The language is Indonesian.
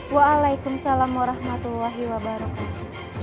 waalaikumsalam warahmatullahi wabarakatuh